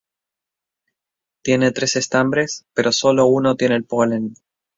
Tiene tres estambres, pero sólo uno tiene el polen.